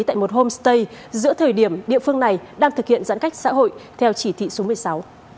tại một homestay giữa thời điểm địa phương này đang thực hiện giãn cách xã hội theo chỉ thị số một mươi sáu